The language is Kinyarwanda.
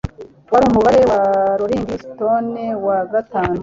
Wari umubare wa Rolling Stones wa gatanu